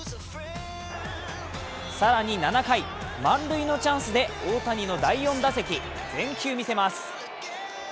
更に７回、満塁のチャンスで大谷の第４打席、全球見せます。